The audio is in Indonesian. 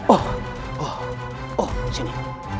oh oh oh sini